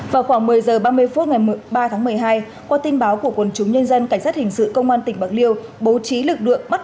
vào khoảng một mươi h ba mươi phút ngày ba tháng một mươi hai qua tin báo của quân chúng nhân dân cảnh sát hình sự công an tỉnh bạc liêu bố trí lực lượng bắt